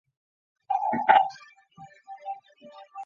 祖父许恭。